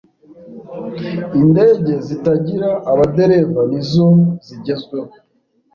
Indege zitagira abadereva nizo zigezweho